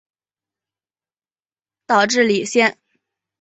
岛智里线